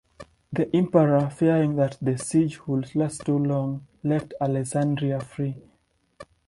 The Emperor, fearing that the siege would last too long, left Alessandria free.